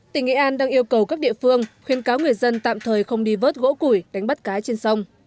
tỉnh nghệ an đang yêu cầu các địa phương khuyên cáo người dân tạm thời không đi vớt gỗ củi đánh bắt cá trên sông